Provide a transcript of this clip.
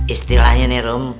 istilahnya nih rung